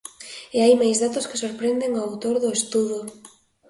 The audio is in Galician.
E hai máis datos que sorprenden o autor do estudo.